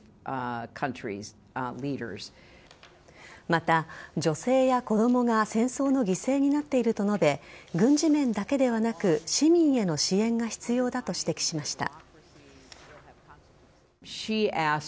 また、女性や子供が戦争の犠牲になっていると述べ軍事面だけではなく市民への支援が必要だと指摘しました。